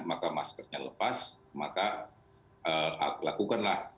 maka maskernya lepas maka lakukanlah